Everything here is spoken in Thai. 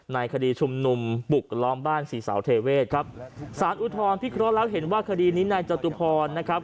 ในคดีชุมนุมบุกล้อมบ้านศรีสาวเทเวศครับสารอุทธรณพิเคราะห์แล้วเห็นว่าคดีนี้นายจตุพรนะครับ